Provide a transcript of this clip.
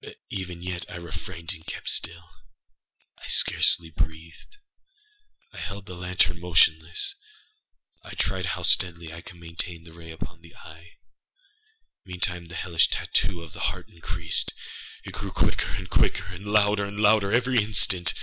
But even yet I refrained and kept still. I scarcely breathed. I held the lantern motionless. I tried how steadily I could maintain the ray upon the eve. Meantime the hellish tattoo of the heart increased. It grew quicker and quicker, and louder and louder every instant.